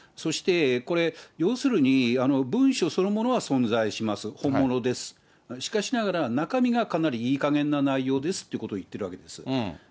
これ、要するに、文書そのものは存在します、本物です、しかしながら中身がかなりいいかげんなないようですということを言ってるわけです。